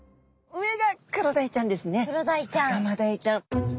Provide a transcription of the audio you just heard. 下がマダイちゃん。